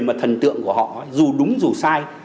mà thần tượng của họ dù đúng dù sai